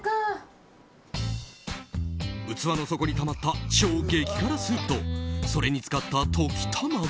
器の底にたまった超激辛スープとそれに浸かった溶き卵。